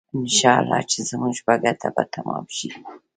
انشاالله چې زموږ په ګټه به تمام شي.